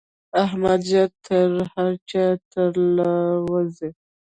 احمد ژر تر هر چا تر له وزي.